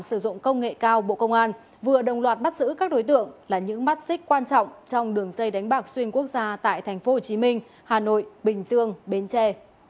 sử dụng công nghệ cao bộ công an vừa đồng loạt bắt giữ các đối tượng là những mắt xích quan trọng trong đường dây đánh bạc xuyên quốc gia tại tp hcm hà nội bình dương bến tre